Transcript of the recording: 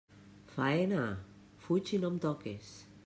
Faena, fuig i no em toques.